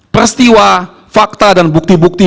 peristiwa fakta dan bukti bukti